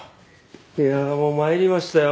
いやあもう参りましたよ